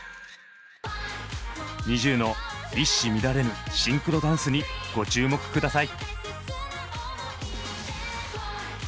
ＮｉｚｉＵの一糸乱れぬシンクロダンスにご注目下さい。